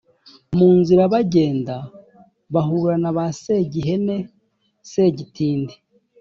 mu nzira bagenda, bahura na segihene segitindi,